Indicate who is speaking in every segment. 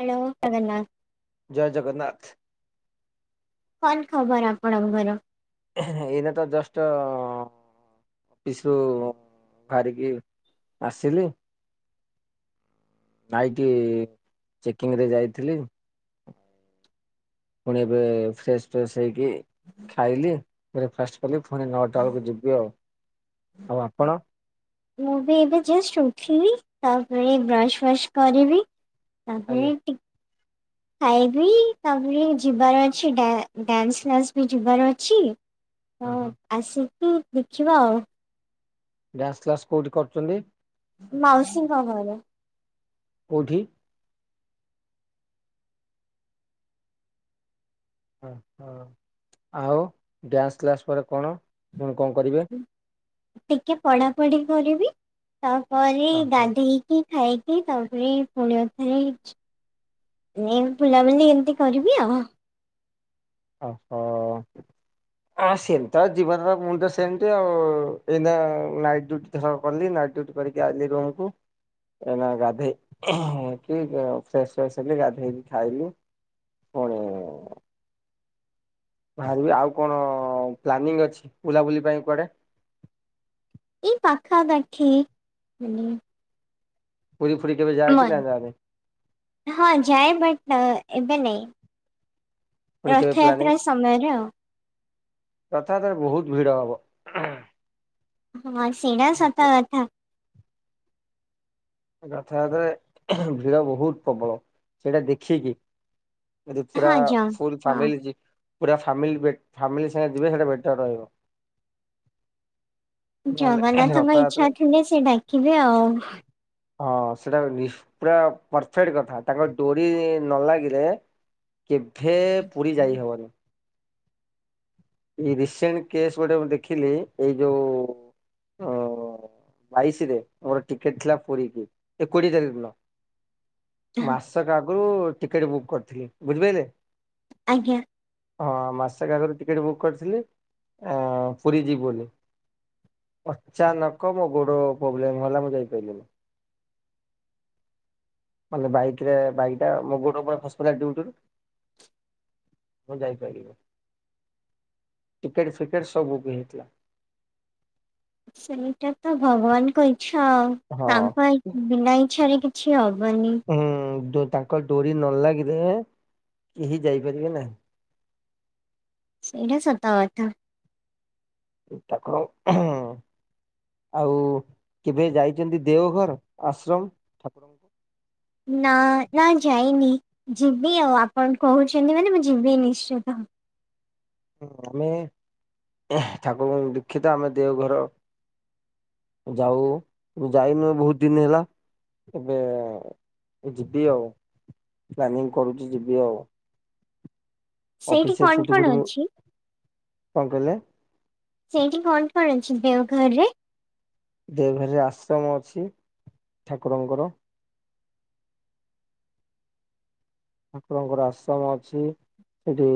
Speaker 1: Hello, Jagannath.
Speaker 2: ଜୟ ଜଗନ୍ନାଥ।
Speaker 1: କଣ ଖବର ଆପଣଙ୍କର?
Speaker 2: ଏଇନା ତ ଜଷ୍ଟ ଅ ଅଫିସରୁୁ ବାହାରିକି ଆସିଲି। ନାଇଟି ଚେକିଂ ରେ ଯାଇଥିଲି। ପୁଣି ଏବେ, ଫ୍ରେଶ ଫ୍ରେଶ ହେଇକି ଖାଇଲି, ବ୍ରେକଫାଷ୍ଟ କଲି, ଫୁଣି ନଅଟା ବେଳକୁ ଯିବି ଆଉ, ଆଉ ଆପଣ?
Speaker 1: ମୁଁ ବି ଏବେ ଜଷ୍ଟ ଉଠିଲି, ତାପରେ ବ୍ରଶ ଫସ୍ କରିବି। ତାପରେ
Speaker 2: ଆଜ୍ଞା
Speaker 1: ଟିକ୍ ଖାଇବି ତାପରେ ଯିବାର ଅଛି, ଡ୍ୟାନ୍ସ କ୍ଲାସ ବି ଯିବାର ଅଛି। ତ, ଆସିକି ଦେଖିବା ଆଉ।
Speaker 2: ଡ୍ୟାନ୍ସ କ୍ଲାସ କୋଉଠି କରୁଚନ୍ତି?
Speaker 1: ମାଉସୀ କବରେ
Speaker 2: କୋଉଠି? ହଁ ହଁ ଆଉ ଡ୍ୟାନ୍ସ କ୍ଲାସ୍ ପରେ କଣ ହୁଁ କଣ କରିବେ?
Speaker 1: ଟିକେ ପଢାପଢି କରିବି, ତାପରେ ଗାଧେଇ କି ଖାଇକି ତାପରେ ପୁଣି ଆଉ ଥରେ [unintelligible] ବୁଲାବୁଲି ଏମିତି କରିବି ଆଉ।
Speaker 2: ଓହୋ।
Speaker 1: [inaudible]
Speaker 2: ହଁ ସେମି ତ ଯିବନର ମୁଁ ତ ସେମିତି ଆଉ ଏଇନା ନାଇଟ୍ ଡିଉଟି ଧର କଲି ନାଇଟ୍ ଡିଉ [unintelligible] ଆଇଲି ରୁମ୍ କୁ। ଏଇନା ଗାଧେଇ କି [unintelligible] ଫ୍ରେସ୍ ଫସ୍ ହେଲେ ଗାଧେଇକି ଖାଇଲି। ପୁଣି
Speaker 1: [inaudible]
Speaker 2: ବାହାରିବି, ଆଉ କଣ ପ୍ଲାନିଂ ଅଛି ବୁଲାବୁଲି ପାଇଁ କୁଆଡେ?
Speaker 1: ଏଇ ପାଖାପାଖି [unintelligible]
Speaker 2: ପୁରୀ ଫୁରୀ କେବେ ଯା
Speaker 1: ମ
Speaker 2: କି ନା ଯାଓନି?
Speaker 1: ହଁ ଯାଏ ବଟ୍ ଏବେ ନାଇଁ।
Speaker 2: ପୁଣି କେବେ ପ୍ଲାନିଂ
Speaker 1: ରଥଯାତ୍ରା ସମୟରେ ଆଉ
Speaker 2: ରଥଯାତ୍ରାରେ ବୋହୁତ ଭିଡ଼ ହବ।
Speaker 1: ହଁ ସେଇରା ସତ କଥା।
Speaker 2: ରଥଯାତ୍ରାରେ ଭିଡ ବୋହୁତ ପ୍ରବଳ, ସେଇଟା ଦେଖିକି ଯି ପୁରା
Speaker 1: ହଁ ଜ
Speaker 2: ପୁଲ୍ ଫ୍ୟାମିଲ
Speaker 1: ହଁ
Speaker 2: କି ପୁରା ଫ୍ୟାମିଲ୍ ବେ ଫ୍ୟାମିଲ୍ ସାଙ୍ଗରେ ଯିବେ ସେଟା ବେଟର ରହିବ। ନହେଲେ
Speaker 1: ଜଗନ୍ନାଥଙ୍କ
Speaker 2: ରଥଯାତ୍ରା
Speaker 1: ଇଚ୍ଛା ଥିଲେ ସେ ଡାକିବେ ଆଉ।
Speaker 2: ହଁ ସେଟା ପୁରା ପରଫେକ୍ଟ କଥା, ତାଙ୍କର ଡୋରି ନ ଲାଗିଲେ କେଭେ ପୁରୀ ଯାଇ ହବନି। ଏଇ ରସେଣ୍ଟ କେସ୍ ଗୋଟେ ମୁଁ ଦେଖିଲି ଏଇ ଯୋଉ ଅ ବାଇଶରେ ମୋର ଟିକେଟ ଥିଲା ପୁରୀକିି ଏ କୋଡିଏ ତାରିଖ ଦିନ। ମାସକ ଆଗରୁ ଟିକେଟ ବୁକ୍ କରିଥିଲି, ବୁଝିପାରିଲେ?
Speaker 1: ଆଜ୍ଞା।
Speaker 2: ହଁ ମାସକ ଆଗରୁ ଟିକେଟ୍ ବୁକ୍ କରିଥିଲି ପୁରୀ ଯିବି ବୋଲି। ଅଚାନକ ମୋ ଗୋଡ ପ୍ରୋବ୍ଲେମ ହେଲା ମୁଁ ଯାଇପାରିଲିନି। ମାନେ ବାଇକରେ ବାଇକଟା ମୋ ଗୋଡ ଉପରେ ଖସି [unintelligible] ମୁଁ ଯାଇପାରିଲିନି। ଟିକେଟ ଫିକେଟ ସବୁ ବୁକ ହେଇଥିଲା।
Speaker 1: ସେଇଟା ତ ଭଗବାନଙ୍କ ଇଚ୍ଛା ଆଉ,
Speaker 2: ହଁ
Speaker 1: ତାଙ୍କ ବିନା ଇଚ୍ଛାରେ ଅଛି ହବନି।
Speaker 2: ହୁଁ ତାଙ୍କ ଡୋରି ନଲାଗିଲେ କେହି ଯାଇପାରିବେ ନାହିଁ।
Speaker 1: ସେଇଟା ସତ କଥା।
Speaker 2: ଠାକୁରଙ୍କୁ ଆଉ କେବେ ଯାଇଛନ୍ତି ଦେଓଘର ଆଶ୍ରମ? ଠାକୁରଙ୍କୁ
Speaker 1: ନା ନା ଯାଇନି, ଯିବି ଆଉ ଆପଣ କହୁଛନ୍ତି ମାନେ ମୁଁ ଯିବି ନିଶ୍ଚିତ।
Speaker 2: ହୁଁ ଆମେ ଠାକୁରଙ୍କୁ ଦୀକ୍ଷିତ ଆମ ଦେଓଘର ଯାଉ ମୁ ଯାଇନୁ ବହୁତ ଦିନ ହେଲା। ଏବେ ଯିବି ଆଉ, ପ୍ଲାନିଂ କରୁଛି ଯିବି ଆଉ।
Speaker 1: ସେଇଠି
Speaker 2: ଅଫିସରେ
Speaker 1: କଣ
Speaker 2: ଛୁଟି
Speaker 1: କଣ
Speaker 2: ଫୁଟି ନେଇ
Speaker 1: ଅଛି
Speaker 2: କଣ କହିଲେ?
Speaker 1: ସେଇଠି କଣ କଣ ଅଛି ଦେଓଘରରେ?
Speaker 2: ଦେଓଘରୀରେ ଆଶ୍ରମ ଅଛି ଠାକୁରଙ୍କର ଠାକୁରଙ୍କର ଆଶ୍ରମ ଅଛି ହେଟି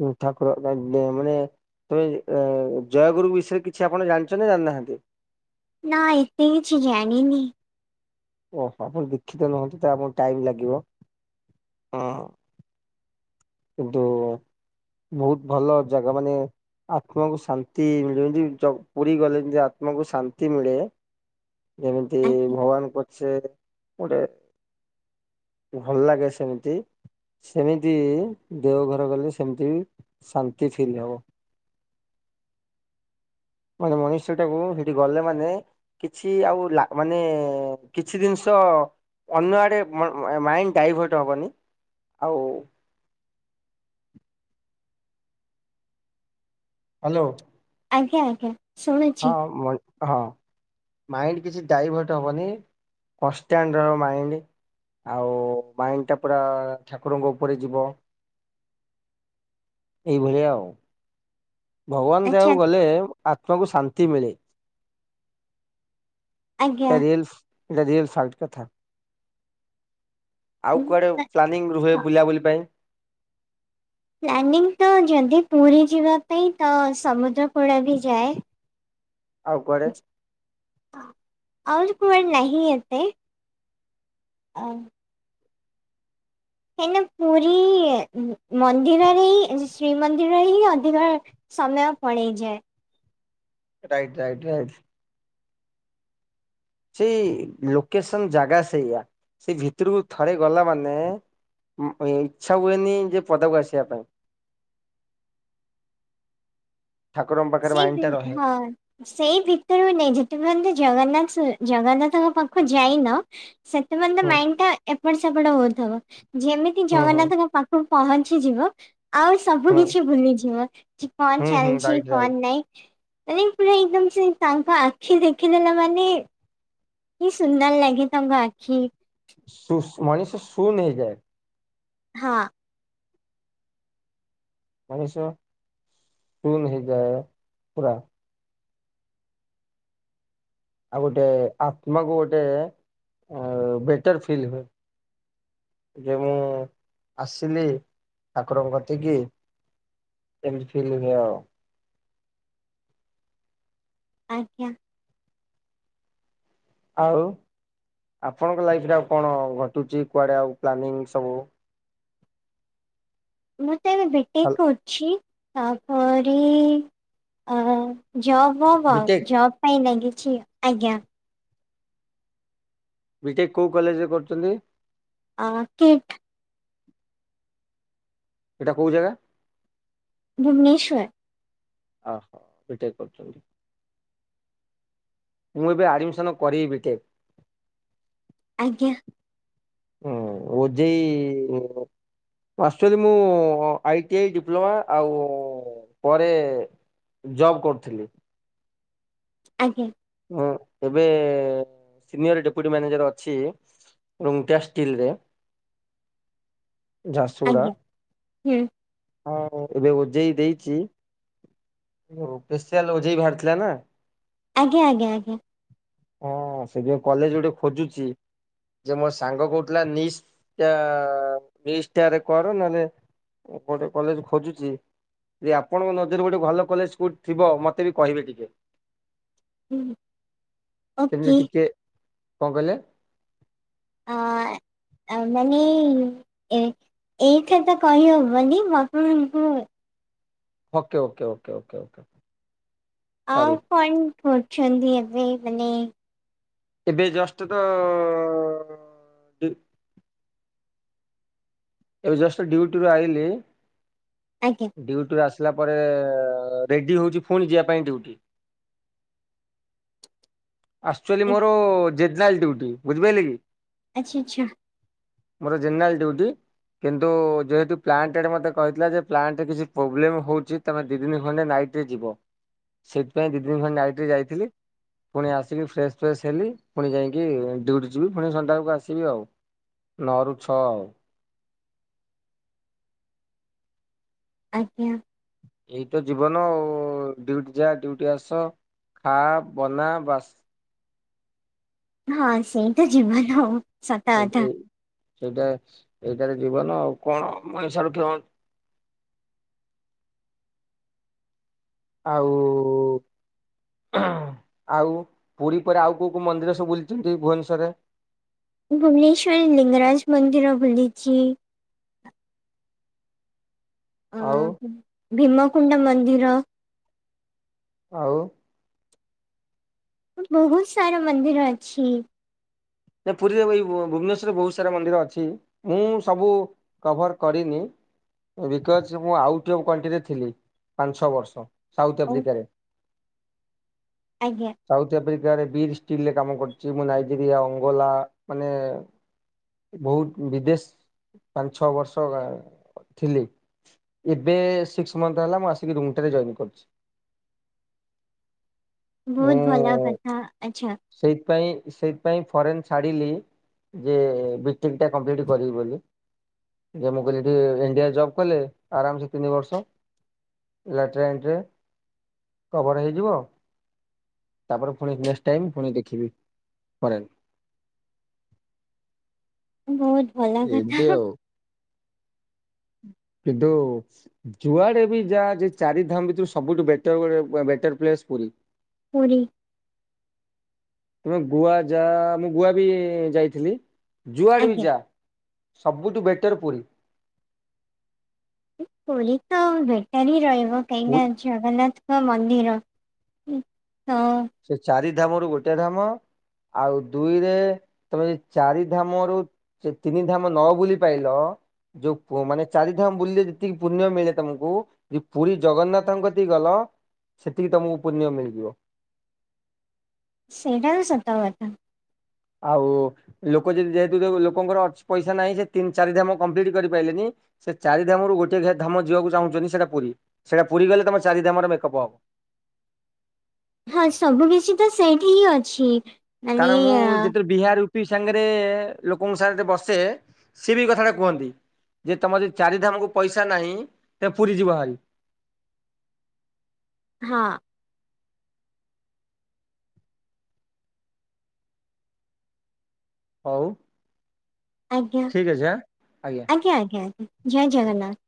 Speaker 2: ଯୋଉ ଠାକୁର [unintelligible] ମାଣେ ତମେ ଜୟଗୁରୁ ବିଷୟରେ କିଛି ଆପଣ ଜାଣିଛ ନା ଜାଣିନାହାନ୍ତି।
Speaker 1: ନା ଏତେ କିଛି ଜାଣିନି।
Speaker 2: ଓହୋ ଆପଣ ଦୀଖିତ ନୁହନ୍ତିୁ ତ ଆମକୁ ଟାଇମ ଲାଗିବ ହୁଁ। କିନ୍ତୁ ବହୁତ ଭଲ ଜାଗା ମାନେ ଆତ୍ମାକୁ ଶାନ୍ତି ମିଳେ ଯେମତି ଜ ପୁରୀ ଗଲେ ଯେମିତି ଆତ୍ମାକୁ ଶାନ୍ତି ମିଳେ। ଯେମିତି ଭଗବାନ କରୁଛେ ଗୋଟେ ଭଲ ଲାଗେ ସେମିତି ସେମିତି ଦେଓ ଘର ଗଲେ ସେମିତି ବି ଶାନ୍ତି ଫିଲ୍ ହବ। ମାନେ ମନୁଷ୍ୟଟାକୁ ହେଟି ଗଲେ ମାନେ କିଛି ଆଉ ଲାଗ ମାନେ କିଛି ଜିନିଷ ଅନ୍ୟ ଆଡ଼େ ମ ମା ମାଇଣ୍ଡ ଡାଇଭର୍ଟ ହବନି ଆଉ ହାଲୋ।
Speaker 1: ଆଜ୍ଞା ଆଜ୍ଞା ଶୁଣୁଛି
Speaker 2: ହଁ ମୁ ହଁ। ମାଇଣ୍ଡ କିଛି ଡାଇଭର୍ଟ ହବନି କନଷ୍ଟାଣ୍ଟ ରହିବ ମାଇଣ୍ଡ। ଆଉ ମାଇଣ୍ଡ ଟା ପୁରା ଠାକୁରଙ୍କ ଉପରେ ଯିବ। ଏଇଭଳିଆ ଆଉ। ଭଗବାନ ଯାହାକୁ
Speaker 1: ଆଚ୍ଛା
Speaker 2: ଗଲେ ଆତ୍ମାକୁ ଶାନ୍ତି ମିଳେ।
Speaker 1: ଆଜ୍ଞା
Speaker 2: ରିଲସ ଏଟା ରିଲସ ସଲଟ କଥା। ଆଉ କୁଆଡେ ପ୍ଲାନିଂ ରୁହେ ବୁଲା ବୁଲି ପାଇଁ।
Speaker 1: ପ୍ଲାନିଂ ତ ଯଦି ପୁରୀ ଯିବା ପାଇଁ ତ ସମୁଦ୍ରକୂଳ ବି ଯାଏ।
Speaker 2: ଆଉ କୁଆଡେ
Speaker 1: ଉଁହୁଁ। ଆହୁରି କୁଆଡେ ନାହିଁ ଏତେ ଅ ହେନେ ପୁରୀ ଇଏ ମନ୍ଦିରରେ ହିଁ ଶ୍ରୀମନ୍ଦିରରେ ହିଁ ଅଧିକ ସମୟ ପଳେଇଯାଏ।
Speaker 2: Right right right. ସେଇ ଲୋକେସନ ଜାଗା ସେଇଆା ସେ ଭିତରକୁ ଥରେ ଗଲା ମାନେ ଉଁ ଇଚ୍ଛା ହୁଏନି ଯେ ପଦାକୁ ଆସିବା ପାଇଁ।। ଠାକୁରଙ୍କ ପାଖରେ
Speaker 1: ସେଇ
Speaker 2: ମାଇଣ୍ଡ ଟା
Speaker 1: ଦିନ
Speaker 2: ରହେ।
Speaker 1: ହଁ। ସେଇ ଭିତରକୁ ନେଇ ଯେତେ ପର୍ଯ୍ୟନ୍ତ ଜଗନ୍ନାଥ ଜଗନ୍ନାଥଙ୍କ ପାଖକୁ ଯାଇନ। ସେତେପନ୍ତ
Speaker 2: ହୁଁ
Speaker 1: ମାଇଣ୍ଡ ଟା ଏପଟ ସେପଟ ହଉଥିବ ଯେମିତି
Speaker 2: ହୁଁ ହୁଁ
Speaker 1: ଜଗନ୍ନାଥଙ୍କ ପା ପହଞ୍ଚିଯିବ ଆଉ ସବୁ
Speaker 2: ହୁଁ
Speaker 1: କିଛି ଭୁଲିଯିବ କି କଣ
Speaker 2: ହୁଁ ହୁଁ
Speaker 1: ଚାଲିଛି।
Speaker 2: ରାଇଟ୍
Speaker 1: କଣ
Speaker 2: ରାଇଟ୍।
Speaker 1: ନାଇଁ ମାନେ ପୁରା ଏକଦମ ସେ ତାଙ୍କ ଆଖି ଦେଖିଦେଲା ମାନେ କି ସୁନ୍ଦର ଲାଗେ ତାଙ୍କ ଆଖି।
Speaker 2: ସୁ ମଣିଷ ଶୂନ ହେଇଯାଏ।
Speaker 1: ହଁ।
Speaker 2: ମଣିଷ ଶୁନ୍ ହେଇଯାଏ ପୁରା। ଆଉ ଗୋଟେ ଆତ୍ମାକୁ ଗୋଟେ ବେଟର ଫିଲ୍ ହୁଏ। ଯେ ମୁଁ ଆସିଲି ଠାକୁରଙ୍କ କତିକି ଏମତି ଚିଲିଣୀ ଆଉ।
Speaker 1: ଆଜ୍ଞା।
Speaker 2: ଆଉ ଆପଣଙ୍କ ଲାଇଫରେ ଆଉ କଣ ଘଟୁଛି କୁଆଡ଼େ ଆଉ ପ୍ଲାନିଂ ସବୁ
Speaker 1: ମୁଁ ତ ଏବେ ବିଟେକ୍ କରୁଛି। ତାପରେ ଆ- ଜବ୍ ଫବ୍ ଆଉ
Speaker 2: ବିଟେକ୍
Speaker 1: ଜବ୍ ଏଇନା କିଛି- ଆଜ୍ଞା।
Speaker 2: ବିଟେକ୍ କଉ କଲେଜ୍ ରେ କରୁଚନ୍ତି?
Speaker 1: ଆ- କିଟ୍
Speaker 2: ସେଟା କଉ ଜାଗା?
Speaker 1: ଭୁବନେଶ୍ୱର୍।
Speaker 2: ଓହୋ ବିଟେକ୍ କରୁଚନ୍ତି। ମୁଁ ଏବେ ଆଡମିଶନ କରବି ବିଟେକ୍।
Speaker 1: ଆଜ୍ଞା।
Speaker 2: ହୁଁ -ଓଜେଇ ଆକ୍ଚୁଆଲି ମୁଁ ଆଇଟିଆଇ, ଡିପ୍ଲୋମା ଆଉ ପରେ ଜବ୍ କରୁଥିଲି।
Speaker 1: ଆଜ୍ଞା।
Speaker 2: ହୁଁ ଏବେ ସିନିୟର ଡେପୁଟି ମ୍ୟାନେଜର ଅଛି। ରୁଙ୍ଗଟା ଷ୍ଟିଲ୍ ରେ।
Speaker 1: ଆଜ୍ଞା -ହୁଁ।
Speaker 2: ହଁ ଏବେ ଓଜେଇ ଦେଇଚି। ସେଶ୍ପିଆଲ ଓଜେଇ ବାହାରିଥିଲା ନା।
Speaker 1: ଆଜ୍ଞା- ଆଜ୍ଞା- ଆଜ୍ଞା।
Speaker 2: ମୁଁ ସେଥିପାଇଁ କଲେଜ୍ ଗୋଟେ ଖୋଜୁଚି। ଟଟଯେ ମୋ ସାଙ୍ଗ କହୁଥିଲା ନିଷ୍-ଟା- ମିଷ୍ଟାରେ କର ନହେଲେ ଗୋଟେ କଲେଜ୍ ଖୋଜୁଚି ଯେ ଆପଣଙ୍କ ନଜରରେ ଗୋଟେ ଭଲ କଲେଜ୍ କଉଠି ଥିବ ମତେ ବି କହିବେ ଟିକେ।
Speaker 1: ହୁଁ
Speaker 2: ସେମିତି
Speaker 1: ଓକେ
Speaker 2: ଟିକେ- କଣ କହିଲେ?
Speaker 1: ଅଁ-ଏ। ତାମାନେ ଏଇ -ଏଇଠେ ତ କହି ହବନି ମୁଁ ଆପଣଙ୍କୁ
Speaker 2: okay- okay- okay -okay -okay.
Speaker 1: ଆଉ
Speaker 2: ସରି
Speaker 1: କଣ କରୁଚନ୍ତି ଏବେ ମାନେ
Speaker 2: ଏବେ ଜଷ୍ଟ ତ ଏବେ ଜଷ୍ଟ ଡ୍ୟୁଟିରୁୁ ଆଇଲିି
Speaker 1: ଆଜ୍ଞା।
Speaker 2: ଡ୍ୟୁଟିରୁ ଆସିଲା ପରେ ରେଡି ହଉଚି ଫୁଣି ଯିବା ପାଇଁ ଡ୍ୟୁଟି। ଆକ୍ଚୁଆଲି ମୋର ଜେନେରାଲ୍ ଡିଉଟି ବୁଝିପାଇଲେ କି।
Speaker 1: ଆଚ୍ଛା- ଆଚ୍ଛା।
Speaker 2: ମୋର ଜେନେରାଲ୍ ଡଉଟି। କିନ୍ତୁ ଯେହେତୁ ପ୍ଲାଣ୍ଟ ଆଡେ ମୋତେ କହିଥିଲା ଯେ ପ୍ଲାଣ୍ଟରେ କିଛି ପୋବ୍ଲେମ୍ ହଉଚି ତମେ ଦି ଦିନ ଖଣ୍ଡେ ନାଇଟ୍ ରେ ଯିବ ସେଇଥିପାଇଁ ଦି ଦିନ ଖଣ୍ଡେ ନାଇଟ୍ ରେ ଯାଇଥିଲି। ପୁଣି ଆସିକି ଫ୍ରେଶସ୍- ଫ୍ରେଶସ୍ ହେଲି ପୁଣି ଯାଇକି ଡିଉଟି ଯିବି ପୁଣି ସନ୍ଧ୍ୟାବେଳକୁ ଆସିବି ଆଉ। ନଅରୁ ଛଅ ଆଉ।
Speaker 1: ଆଜ୍ଞା।
Speaker 2: ଏଇତ ଜୀବନ ଆଉ ଡଉଟି ଯା ଡିଉଟି ଆସ। ଖା ବନା ବାସ୍।
Speaker 1: ହଁ ସେଇତ ଜୀବନ ଆଉ।
Speaker 2: ଏଇଟି -ସେଇଟା ଏଇଟାର ଜୀବନ ଆଉ ପଇସା ରଖିବ। ଆଉ ଆଉ ପୁରୀ ପରେ ଆଉ କୋଉ କୋଉ ମନ୍ଦିର ସବୁ ବୁଲିଛନ୍ତି ଭୁବନେଶ୍ୱରରେ।
Speaker 1: ଭୁବନେଶ୍ୱର ଲିଙ୍ଗରାଜ ମନ୍ଦିର ବୁଲିଛି।
Speaker 2: ଆଉ
Speaker 1: ଭୀମକୁଣ୍ଡ ମନ୍ଦିର
Speaker 2: ଆଉ
Speaker 1: ବହୁତ ସାରା ମନ୍ଦିର ଅଛି।
Speaker 2: ଯେ ପୁରୀରେ ଭୁବନେଶ୍ୱରରେ ବହୁତ ସାରା ମନ୍ଦିର ଅଛି ମୁଁ ସବୁ କଭର କରିନି। ବିକଜ ମୁଁ ଆଉଟ ଅଫ୍ କଣ୍ଟିରେ ଥିଲି ପାଞ୍ଚ ଛ ବର୍ଷ ସାଉଥ
Speaker 1: ଓ
Speaker 2: ଆଫ୍ରିକାରେ
Speaker 1: ଆଜ୍ଞା।
Speaker 2: ସାଉଥ ଆଫ୍ରିକାରେ ବିର୍ ଷ୍ଟିଲରେ କାମ କରୁଛି ମୁଁ ନାଇଜେରିଆ ଅଙ୍ଗୋଲା ମାନେ ବହୁତ ବିଦେଶ ପାଞ୍ଚ ଛଅ ବର୍ଷ ଥିଲି। ଏବେ ସିକ୍ସ ମନ୍ତଥ ହେଲା ମୁଁ ଆସିକି ରୁମ୍ ଜଏନ୍ କରିଛି। ମୁଁ
Speaker 1: ବହୁତ ଭଲ କଥା ଆଛା।
Speaker 2: ସେଇଥିପାଇଁ ସେଇଥିପାଇଁ ଫରେନ ଛାଡିଲି। ଯେ ବିଟେକଟା କମ୍ପ୍ଲିଟ କରିବି ବୋଲି। ଯେ ମୁଁ କହିଲି ଟିକେ ଇଣ୍ଡିଆ ଜବ୍ କଲେ ଆରାମ ସେ ତିନି ବର୍ଷ ଲାଟ୍ରେନରେ କଭର ହେଇଯିବ। ତାପରେ ପୁଣି ନେକ୍ସଟ୍ ଟାଇମ ପୁଣି ଦେଖିବି ପରେ
Speaker 1: ବହୁତ ଭଲ
Speaker 2: ଏମିତି
Speaker 1: କଥା।
Speaker 2: ଆଉ କିନ୍ତୁ ଯୁଆଡେ ବି ଯାହା ଚାରି ଧାମ ଭିତରୁ ସବୁଠୁ ବେଟରୋ ବେଟର ପ୍ଲେସ ପୁରୀ।
Speaker 1: ପୁରି।
Speaker 2: ତମେ ଗୁଆ ଯା ମୁଁ ଗୁଆ ବି ଯାଇଥିଲି ଯୁଆଡେ ବି
Speaker 1: ଆଜ୍ଞା
Speaker 2: ଯା ସବୁଠୁ ବେଟର ପୁରୀ।
Speaker 1: ପୁରି ତ ବେଟର ହିଁ ରହିବ କାଇଁକିନା?
Speaker 2: ପୁ-
Speaker 1: ଜଗନ୍ନାଥଙ୍କ ମନ୍ଦିର ହଁ।
Speaker 2: ସେ ଚାରି ଧାମ ରୁ ଗୋଟେ ଧାମ। ଆଉ ଦୁଇରେ ତମେ ଯେ ଚାରି ଧାମରୁ ସେ ତିନି ଧାମ ନ ବୁଲି ପାଇଲ ଯୋଉ ମାନେ ଚାରିଧାମ ବୁଲିଲେ ଯେତିକି ପୁଣ୍ୟ ମିଳେ ତମକୁ ପୁରୀ ଜଗନ୍ନାଥଙ୍କ କତିକି ଗଲ ସେତିକି ତମକୁ ପୁଣ୍ୟ ମିଳିଯିବ।
Speaker 1: ସେଇଟା ସତ କଥା।
Speaker 2: ଆଉ ଲୋକ ଯଦି ଯେହେତୁ ଲୋକଙ୍କର ପଇସା ନାହିଁ ସେ ତିନି ଚାରି ଧାମ କମ୍ପ୍ଲିଟ କରିପାରିଲନି। ସେ ଚାରି ଧାମରୁ ଗୋଟେ ଧାମ ଯିବାକୁ ଚାହୁଁଛନ୍ତି ସେଟା ପୁରୀ ସେଇଟା ପୁରୀ ଗଲେ ତମ ଚାରି ଧାମରେ ମେକଅପ୍ ହବ।
Speaker 1: ହଁ ସବୁ କିଛି ତ ସେଇଠି ହିଁ ଅଛି। ମାନେ
Speaker 2: କାରଣ ମୁଁ
Speaker 1: ଅ,
Speaker 2: ଯେତେବେଳେ ବିହାର ଉପି ସାଙ୍ଗରେ ଲୋକଙ୍କ ସାଙ୍ଗେ ବସେ ସିଏ ବି ଏଇ କଥାଟା କୁହନ୍ତି? ଯେ ତମର ଯଦି ଚାରିଧାମକୁ ପଇସା ନାହିଁ ତ ପୁରୀ ଯିବ ଭାରି।
Speaker 1: ହଁ।
Speaker 2: ହଉ।
Speaker 1: ଆଜ୍ଞା
Speaker 2: ଠିକ ଅଛି ଆଁ
Speaker 1: ଆଜ୍ଞା ଆଜ୍ଞା ଜୟ ଜଗନ୍ନାଥ।